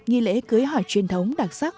nghi lễ cưới hỏi truyền thống đặc sắc